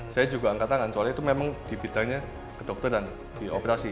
saya juga angkat tangan soalnya itu memang digitalnya kedokteran di operasi